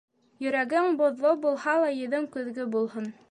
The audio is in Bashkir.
Йөрәгең боҙло булһа ла, йөҙөң көҙгө булһын.